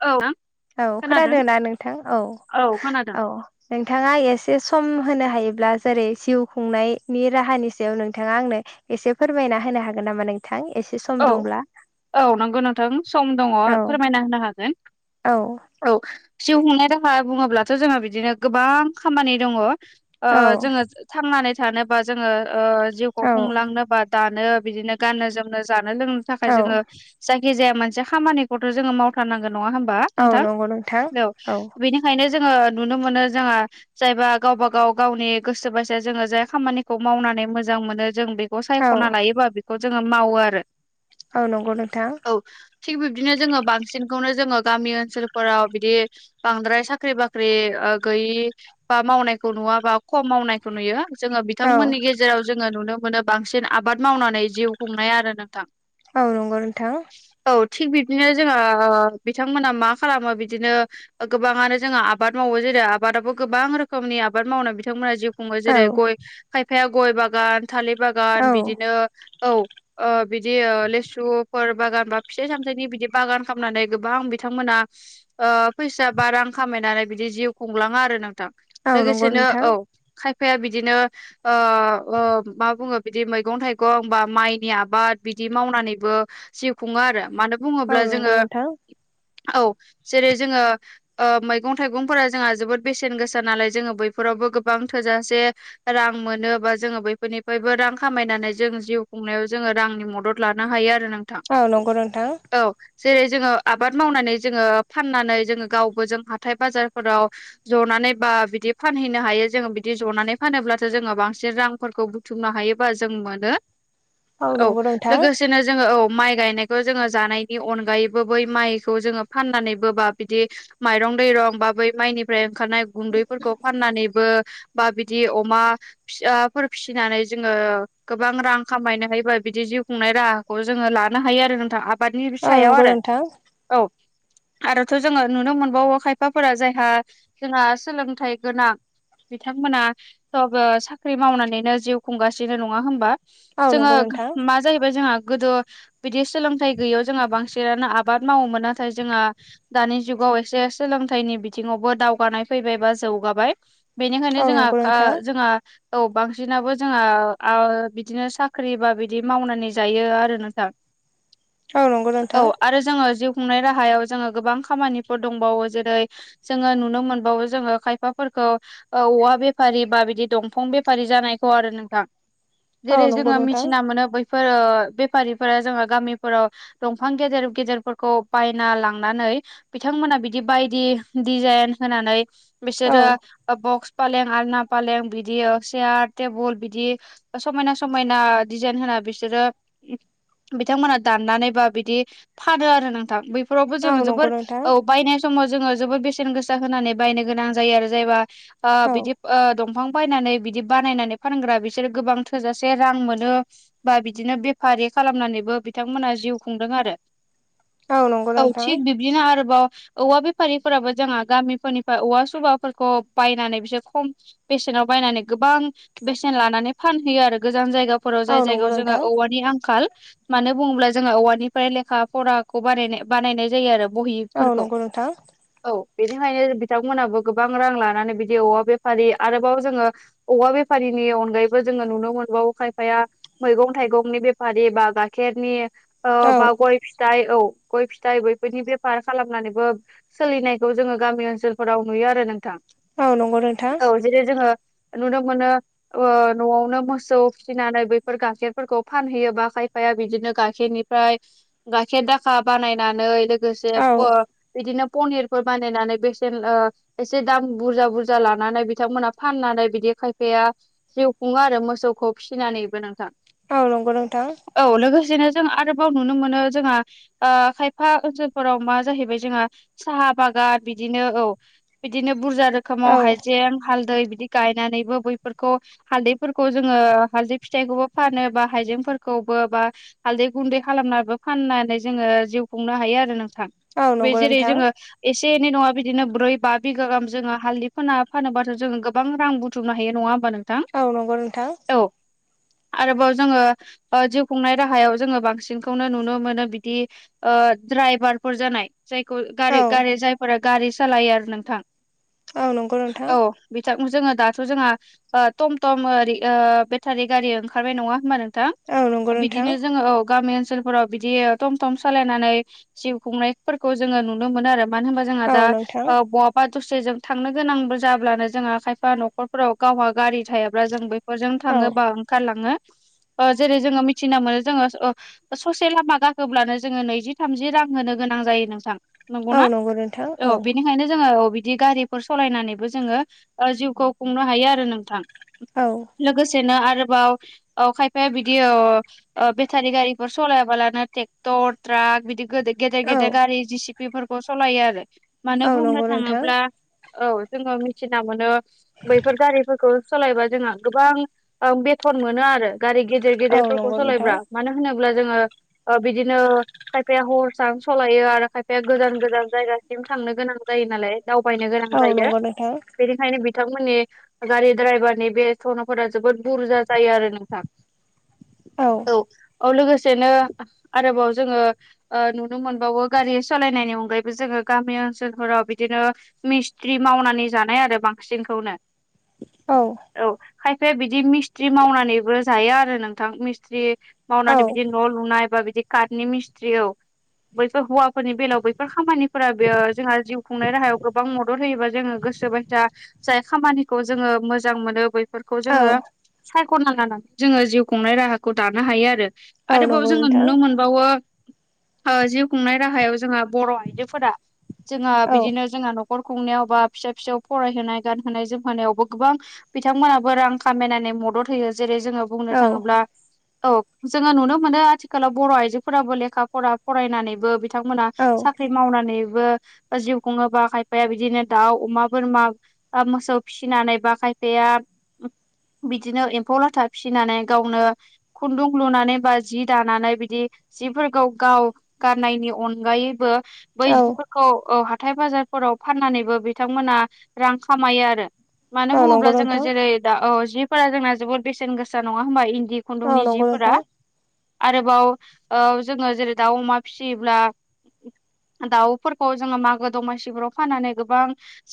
औ [unintelligible] औ खोनादों ना नोंथां औ औ नोंथाङा एसे सम होनो हायोब्ला जेरै जिउ खुंनायनि राहानि सायाव नोंथाङा आंनो एसे फोरमायना होनो हागोन नामा नों थां एसे सम औ दंब्ला औ नंगौ नोंथां सम दङ औ फोरमायना होनो हागोन औ औ जिउ खुंनाय राहा बुङोब्लाथ' जोंहा बिदिनो गोबां खामानि दङ ओ औ जोङो थांनानै थानोबा जोङो ओ जिउखौ औ खुंलांनोबा दानो बिदिनो गाननो जोमनो जानो लोंनो थाखाय औ जोङो जायखिजाया मोनसे खामानिखौथ' जोङो मावथारनांगोन नङा होमबा औ नोंथां नंगौ नोंथां औ बेनि खायनो जोङो नुनो मोनो जोंहा जायबा गावबा गाव गावनि गोसो बायसा जोङो जाय खामानिखौ मावनानै मोजां मोनो जों बे खौ औ सायख'ना लायोबा बेखौ जोङो मावो आरो आ नंगौ नोंथा औ थिग बिब्दिनो जोङो बांसिनखौनो जोङो गामि ओनसोलफोराव बिदि बांद्राय साख्रि बाख्रि गैयि बा मावनायखौ नुवाबा खम मावनाय नुयो जोङो औ बिथांमोननि गेजेराव जोङो नुनो मोनो बांसिन आबाद मावनानै जिउ खुंनाय आरो नों थां औ नंगौ नोंथां औ थिग बिदिनो जोंहा बिथांमोना मा खालामो बिदिनो गोबाङानो जोङो आबाद मावो जेरै आबादावबो गोबां रोखोमनि आबाद मावनानै बिथांमोना जिउ खुङो औ जेरै गय खायफाया गय बागान थालिर औ बागान बिदिनो औ ओ बिदि लेसुफोर बागान बा फिथाइ सामथाइनि बिदि बागान खालामनानै गोबां बिथांमोना फैसा बा रां खामायनानै बिदि जिउ खुंलाङा आरो नोंथां औ नंगौ लोगोसेनो नोंथां औ खायफाया बिदिनो ओ ओ मा बुङो बिदि मैगं थाइगं होनबा माइनि आबाद बिदि मावनानैबो जिउ खुङो आरो मानो औ बुङोब्ला नंगौ जोङो नोंथां औ जेरै जोङो ओ मैगं थाइगंफोरा जोंहा जोबोद बेसेन गोसा नालाय जोङो बैफोरावबो गोबां थोजासे रां मोनो बा जोङो बैफोरनिफ्रायबो रां खामायनानै जों जिउ खुंनायाव जोङो रांनि मदद लानो हायो आरो नोंथां औ नंगौ नोंथां औ जेरै जोङो आबाद मावनानै जोङो फाननानै जोङो गावबो जों हाथाय बाजारफोराव जनानै बा बिदि फानहैनो हायो जोङो बिदि जनानै फानोब्लाथो जोङो बांसिन रांफोरखौ बुथुमनो हायोबा जों मोनो औ नंगौ नोंथां बिदिनो जोङो औ माइ गायनायखौ जोङो जानायनि अनगायैबो बै माइखौ जोङो फाननानैबो बा बिदि माइरं दैरं बा बै माइनिफ्राय ओंखारनाय गुन्दैफोरखौ फाननानैबो बा बिदि अमा फिसाफोर फिसिनानै जोङो गोबां रां खामायनो हायोबा बिदि जिउ खुंनाय राहाखौ जोङो लानो हायो आरो नोंथां आबादनि औ नंगौ सायाव आरो नोंथां औ आरोथ' जोङो नुनो मोनबावो खायफाफोरा जायहा जोंहा सोलोंथाइ गोनां बिथांमोना बो साख्रि मावनानैनो जिउ खुंगासिनो नङा होमबा औ जोङो नंगौ नोंथां मा जाहैबाय जोंहा गोदो बिदि सोलोंथाइ गैयियाव जोंहा बांसिनानो आबाद मावोमोन नाथाय जोंहा दानि जुगाव एसे सोलोंथाइनि बिथिङावबो दावगानाय फैबाय बा जौगाबाय बेनिखायनो औ जोंहा नंगौ नोंथां जोंहा औ बांसिनाबो जोंहा बिदिनो साख्रि बा बिदि मावनानै औ नंगौ [unintelligible] औ नोंथां जोङो जिउ खुंनाय राहायाव जोङो गोबां खामानिफोर दंबावो जेरै जोङो नुनो मोनबावो जोङो खायफाफोरखौ औवा बेफारि बा बिदि दंफां बेफारि जानायखौ आरो नोंथां जेरै औ नंगौ जोङो नोंथां मिथिना मोनो बैफोर बेफारिफोरा जोङो गामिफोराव दंफां गेदेर गेदेरफोरखौ बायना लांनानै बिथांमोना बिदि बायदि डिजाइन होनानै औ बिसोरो बक्स फालें आलना फालें बिदि सेयार टेबोल बिदि समायना समायना डिजाइन होना बिदिनो बिथांमोना दाननानैबा बिदि फानो आरो नोंथां बे फोरावबो औ जोङो नंगौ जोबोर नोंथां औ बायनाय समाव जोङो जोबोर बेसेन गोसा होनानै बायनो गोनां जायो आरो जायबा औ बिदि दंफां बायनानै बिदि बानायनानै फानग्रा बिसोरो गोबां थोजासे रां मोनो बा बिदिनो बेफारि खालामनानैबो बिथांमोनहा जिउ खुंदों आरो नंगौ औ नोंथां थिग बिबदिनो आरोबाव औवा बेफारिफोराबो जोंहा गामिफोरनिफ्राय औवा सुबाफोरखौ बायनानै बिसोर खम बेसेनाव बायनानै गोबां बेसेन लानानै फानहैयो आरो गोजान जायगाफोराव औ जाय नंगौ जायगायाव जोंङो नोंथां औवानि आंखाल मानो बुङोब्ला जोंहा औवानिफ्राय लेखा फराखौ बानाय बानायनाय जायो आरो औ बहिफोरखौ नंगौ नोंथां औ बेनिखायनो बिथांमोनहाबो गोबां रां लानानै बिदि औवा बेफारि आरोबाव जोङो औवा बेफारिनि अनगायैबो जोङो नुनो मोनबावो खायफाया मैगं थाइगंनि बेफारि बा गाइखेरनि औ बा गय फिथाइ औ गय फिथाइ बैफोरनि बेफार खालामनानैबो सोलिनायखौ जोङो गामि ओनसोलफोराव नुयो आरो नोंथां। औ नंगौ नोंथां औ जेरै जोङो नुनो मोनो न'आवनो मोसौ फिसिनानै फोर गाइखेरफोरखौ फानहैयोबा खायफाया बिदिनो गाइखेरनिफ्राय गाइखेर दाखा बानायनानै लोगोसे औ बिदिनो पनिर बानायनानै बेसेन एसे दाम बुरजा बुरजा लानानै बिथांमोना फाननानै बिदि खायफाया जिउ खुङो आरो मोसौखौ फिसिनानैबो नोंथां औ नंगौ नोंथां औ लोगोसेनो जों आरोबाव नुनो मोनो जोंहा खायफा ओनसोलफोराव मा जाहैबाय जोंहा साहा बागान बिदिनो औ बिदिनो बुरजा रोखोमाव औ हाइजें हालदै बिदि गायनानैबो बैफोरखौ हालदैफोरखौ जोङो हालदै फिथाइखौबो फानो बा हाइजेंफोरखौबो बा हालदै गुन्दै खालामनाबो फाननानै जोङो जिउ खुंनो हायो आरो नोंथां। औ बे‌ नंगौ जेरै नोंथां जोङो एसे एनै नङा बिदिनो ब्रै बा बिगा गाहाम जोङो हालदै फोना फानोबाथ' जोङो गोबां रां बु थुमनो हायो नङा होमबा नोंथां। औ नंगौ नोंथां। औ आरोबाव जोङो जिउ खुंनाय राहायाव जोङो बांसिनखौनो नुनो मोनो बिदि ओ ड्राइभारफोर जानाय जायखौ गारि औ गारि जायफोरा गारि सालायो आरो नोंथां औ नंगौ नोंथां औ बिथां जोङो दाथ' जोंहा टम टम बेटारि गारि ओं ओंखारबाय नङा होमबा नोंथां औ नंगौ नोंथां बिदिनो जोङो औ गामि ओनसोलफोराव बिदि थम थम सालायनानै जिउ खुंनायफोरखौ जोङो नुनो मोनो आरो मानो होनबा जोंहा औ दा नोंथां बहाबा दसे जों थांनो गोनांबो जाब्लानो जोंहा खायफा न'खर फोराव गावहा गारि थायाब्ला जों बेफोरजों औ थाङो बा ओंखारलाङो ओ जेरै जोङो मिथिना मोनो जोङो ससे लामा गाखोब्लानो जोङो नैजि थामजि रां होनो गोनां जायो नोंसां औ नंगौना नंगौ नोंथां औ बिनि खायनो जोङो बिदि गारिफोर सालायनानैबो जोङो जिउखौ खुंनो हायो आरो नोंथां। औ लोगोसेनो आरोबाव खायफाया बिदि अ बेटारि गारिफोर सलायाबालानो ट्रेक्टर ट्राक बिदि गेदेर औ गेदेर गारि जिसिपिफोरखौ सालायो आरो मानो औ बुंनो नंगौ नोंथां थाङोब्ला औ जोङो मिथिना मोनो बैफोर गारिफोरखौ सालायबा जोंहा गोबां बे थन मोनो आरो गारि गेदेर औ गेदेरफोरखौ नंगौ नोंथां सालायब्ला मानो होनोब्ला जोङो बिदिनो खायफाया हरसानो सालायो आरो खायफाया गोजान गोजान जायगासिम थांनो गोनां जायो नालाय दावबायनो गोनां औ जायो। नंगौ नोंथां बेनिखायनो बिथांमोननि गारि दड्रायभारनि बेथनाफोरा जोबोद बुरजा जायो आरो नोंथां औ औ लोगोसेनो आरोबाव जोङो ओ नुनो मोनबावो गारि सालायनायनि अनगायैबो जोङो गामि ओनसोलफोराव बिदिनो मिस्ट्रि मावनानै जानाय आरो बांसिनखौनो औ औ खायफाया बिदि मिस्थ्रि मावनानैबो जायो आरो नोंथां मिस्थ्रि औ मावनानै बिदि न' लुनाय बा बिदि कार्टनि मिस्ट्रियाव बैफोर हौवाफोरनि बेलायाव बैफोर खामानि फोर बेयो जोंहा जिउ खुंनाय राहायाव गोबां मदद होयोबा जोङो गोसोबाय दा जाय खामानिखौ जोङो मोजां मोनो बैफोरखौ औ जोङो सायखना लानानै जोङो जिउ खुंनाय राहाखौ दानो हायो आरो औ आरोबाव नंगौ जोङो नोंथां नुनो मोन बावो जिउ खुंनाय राहायाव जोंहा बर' आइजोफोरा जोंहा औ बिदिनो जोंहा न'खर खुंनायाव बा फिसा फिसायाव फरायहोनाय गानहोनाय जोमहोनायावबो गोबां बिथांमोनाबो रां खामायनानै मदद होयो जेरै जोङो बुंनो औ थाङोब्ला औ जोङो नुनो मोनो आथिखालाव बर' आइजोफोराबो लेखा फरा फरायनानैबो बि थांमोना सा औ ख्रि मावनानैबो बा जिउ खुङोबा खायफाया बिदिनो दाउ अमा बोरमा बा मोसौ फिसिनानै बा खायफाया बिदिनो एम्फौ लाथा फिसिनानै गावनो खुन्दुं लुनानै बा जि दानानै बिदि जिफोरखौ गाव गाननायनि अनगायैबो बै औ जिफोरखौ हाथाय बाजारफोराव फाननानैबो बिथांमोना रां खामायो आरो मानो औ बुङोब्ला नंगौ जोङो नोंथां जेरै दा औ जिफोरा जोंना जोबद बेसेन गोसा नङा होनबा इन्दि औ खुन्दुंनि नंगौ जिफोरा नोंथां आरोबाव जोङो जेरै दाउ अमा फिसियोब्ला दाउफोरखौ जोङो मागो दमासिफोराव फाननानै गोबां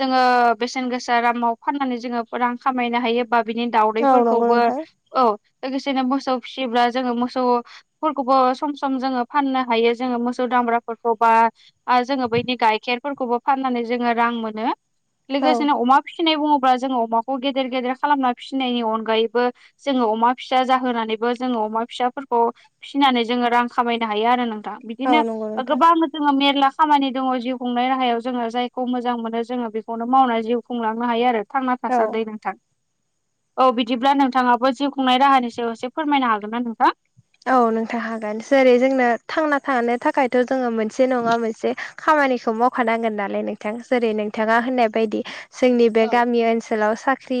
जोङो बेसेन गोसा दामाव फाननानै जोङो रां खामायनो हायो बा बिनि दाउ औ नंगौ दैफोरखौबो नोंथां औ लोगोसेनो मोसौ फिसिब्ला जोङो मोसौ फोरखौबो सम सम जोङो फाननो हायो जोङो मोसौ दामब्राफोरखौ बा जोङो बैनि गाइखेरफोरखौबो फाननानै जोङो रां मोनो औ लोगोसेनो अमा फिसिनाय बुङोब्ला जोङो अमाखौ गेदेर गेदेर खालामना फिसि फिनायनि अनगायैबो जोङो अमा फिसा जाहोनानैबो जोङो अमा फिसाफोरखौ फिसिनानै जोङो रां खामायनो हायो आरो नोंथां औ बिदिनो नंगौ नोंथां गोबां जोङो मेरला खामानि दङ जिउ खुंनाय राहायाव जोङो जायखौ मोजां मोनो जोङो बेखौनो मावनानै जिउ खुंलांनो हायो आरो थांना औ दासान्दि नोंथां औ बिदिब्ला नोंथाङाबो जिउ खुंनाय राहानि सायाव एसे फोरमायनो हागोन ना नोंथां औ नोंथां हागोन जेरै जोंनो थांना थानो थाखायथ जोङो मोनसे नङा मोनसे खामानिखौ मावखानांगोन नालाय नोंथां जेरै नोंथाङा होननाय बायदि जोंनि बे औ गामि ओनसोलाव साख्रि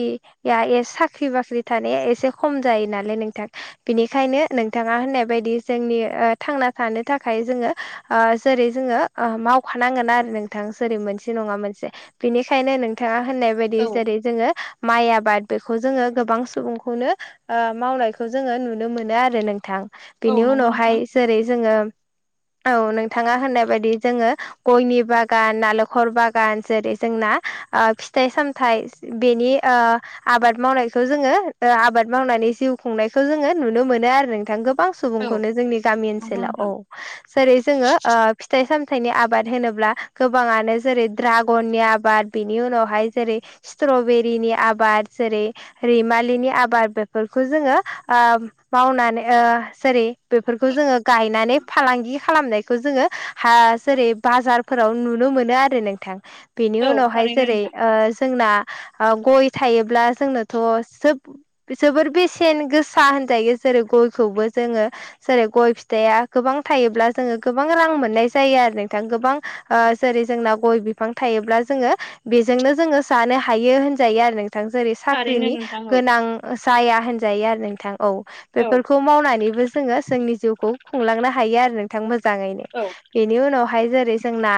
साख्रि बाख्रि थानाया एसे खम जायो नालाय नोंथां बिनिखायनो नोंथाङा होननाय बायदि जोंनि थांना थानो थाखाय जोङो ओ जेरै जोङो मावखानांगोन आरो नोंथां जेरै मोनसे नङा मोनसे बेनिखायनो नोंथाङा होननाय बायदि औ जेरै जोङो माइ आबाद बेखौ जोङो गोबां सुबुंखौनो मावनायखौ जोङो नुनो मोनो आरो आरो नोंथां औ बिनि नंगौ नोंथां उनावहाय जेरै जोङो औ नोंथाङा होननाय बायदि जोङो गयनि बागान नालेंखर बागान जेरै जोंना फिथाइ सामथाइ बेनि आबाद मावनायखौ जोङो आबाद मावनानै जिउ खुंनायखौ जोङो नुनो मोनो आरो नोंथां गोबां औ सुबुंखौनो जोंनि गामि नंगौ ओनसोलाव नोंथां औ जेरै जोङो फिथाइ सामथाइनि आबाद होनोब्ला गोबाङानो जेरै ड्रागननि आबाद बेनि उनावहाय जेरै स्ट्रबेरिनि आबाद जेरै रैमालिनि आबाद बेफोरखौ जोङो मावनानै जेरै बेफोरखौ जोङो गायनानै फालांगि खालामनायखौ जोङो जेरै बाजार फोराव नुनो मोनो आरो नोंथां बेनि औ उनावहाय थारैनो जेरै नोंथां जोंना गय थायोब्ला जोंनोथ' सोब जोबोर बेसेन गोसा होनजायो जेरै गयखौबो जोङो जेरै गय फिथाइया गोबां थायोब्ला जोङो गोबां रां मोननाय जायो आरो नोंथां गोबां जेरै जोंना गय बिफां थायोब्ला जोङो बेजोंनो जोङो जानो हायो होनजायो आरो नोंथां जेरै थारैनो साख्रिनि नोंथां औ गोनां जाया होनजायो आरो नोंथां औ औ फोरखौ मावनानैबो जोङो जोंनि जिउखौ खुंलांनो हायो आरो नों थां मोजाङैनो औ बेनि उनावहाय जेरै जोंना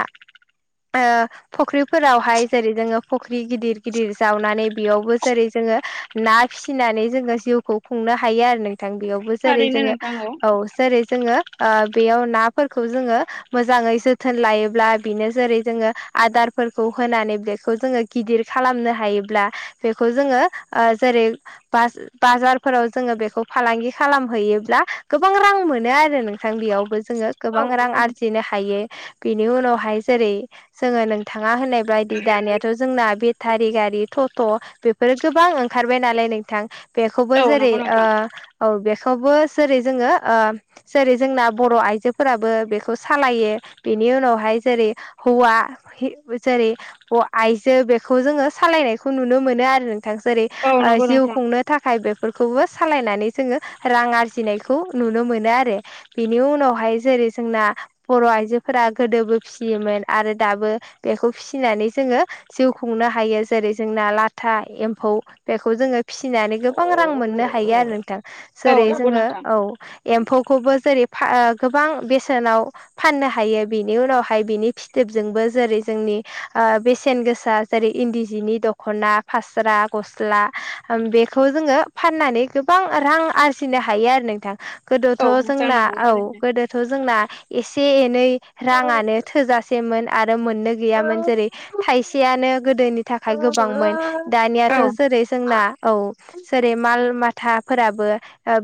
फुख्रिफोरावहाय जेरै जोङो फुख्रि गिदिर गिदिर जावनानै बेयावबो जेरै जोङो ना फिसिनानै जोङो जिउखौ खुंनो हायो आरो नोंथां बेयावबो जेरै थारैनो जोङो नोंथां औ जेरै जोङो बेयाव नाफोरखौ जोङो मोजाङै जोथोन लायोब्ला बिनो जेरै जोङो आदार फोरखौ होनानै बेखौ जोङो गिदिर खालामनो हायोब्ला बेखौ जोङो जेरै बाजारफोराव जोङो बेखौ फालांगि खालामहैयोब्ला गोबां रां मोनो आरो नोंथां बेयावबो जोङो औ गोबां रां नंगौ नोंथां आरजिनो हायो बेनि उनावहाय जेरै जोङो नों थाङा होननाय बायदि दानियाथ' जोंना बेटारि गारि थथ' बे बेफोर गोबां ओंखारबाय नालाय नोंथां बेखौबो औ जेरै नंगौ नोंथां औ बेखौबो जेरै जोङो जेरै जोंना बर' आइजोफोराबो बेखौ सालायो बेनि उनावहाय जेरै हौवा [unintelligible] सारि अ आइजो बेखौ जोङो सालायनायखौ नुनो मोनो आरो नोंथां जेरै औ ओ नंगौ जिउ नोंथां खुंनो थाखाय बेफोरखौबो सालायनानै जोङो रां आरजिनायखौ नुनो मोनो आरो बेनि उनावहाय जेरै जोंना बर' आइजोफोरा गोदोबो फिसियोमोन आरो दाबो बेखौ फिसिनानै जोङो जिउ खुंनो हायो जेरै जोंना लाथा एम्फौ बेखौ जोङो फिसिनानै गोबां रां मोननो हायो आरो नोंथां औ जेरै नंगौ जोङो नोंथां औ एम्फौखौबो जेरै फा गोबां बेसेनाव फाननो हायो बेनि उनावहाय बिनि फिथोबजोंबो जेरै जोंनि आ बेसेन गोसा जेरै इन्दि जिनि दख'ना फास्रा गस्ला बेखौ जोङो फाननानै गोबां रां आरजिनो हायो आरो नोंथां गोदोथ' औ नोंथां जोंना नंगौ औ थारैनो गोदोथ' जोंना एसे एनै राङानो थोजासेमोन आरो मोननो गैयामोन जेरै थाइसेयानो गोदोनि थाखाय गोबांमोन औ दानियाथ' जेरै जोंना औ जेरै माल माथाफोराबो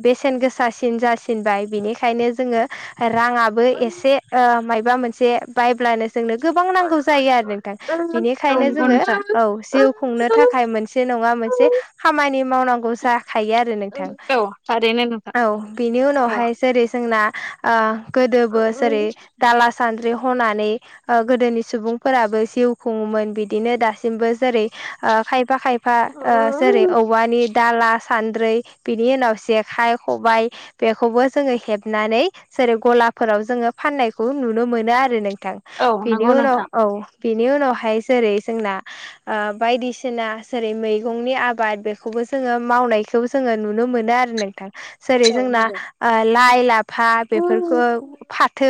बेसेन गोसासिन जासिनबाय बिनिखायनो जोङो राङाबो एसे ओ माबा मोनसे बायब्लानो जोंनो गोबां नांगौ जायो आरो नोंथां औ बिनिखायनो नंगौ जोङो नोंथां औ जिउ खुंनो थाखाय मोनसे नङा मोनसे खामानि मावनांगौ जाखायो आरो नों थां औ थारैनो नोंथां औ बिनि औ उनावहाय जेरै जोंना आ गोदोबो जेरै दाला सान्द्रि हनानै ओ गोदोनि सुबुंफोराबो जिउ खुङोमोन बिदिनो दासिमबो जेरै ओ खायफा खायफा ओ जेरै औवानि दाला सान्द्रै बिनि उनाव जेखाइ खबाइ बेखौबो जोङो हेबनानै जेरै गलाफोराव जोङो फाननायखौ नुनो मोनो आरो नोंथां औ बिनि नंगौ उनाव नोंथां औ बिनि उनावहाय जेरै जोंना आ बायदिसिना जेरै मैगंनि आबाद बेखौबो जोङो मावनायखौ जोङो नुनो मोनो आरो नोंथां जेरै औ जोंना नंगौ लाइ ला फा बेफोरखौ फाथो